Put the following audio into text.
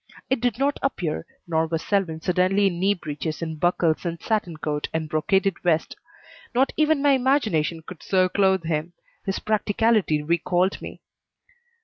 It did not appear, nor was Selwyn suddenly in knee breeches and buckles and satin coat and brocaded vest. Not even my imagination could so clothe him. His practicality recalled me.